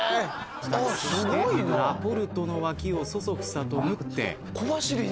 そしてラ・ポルトの脇をそそくさと縫って。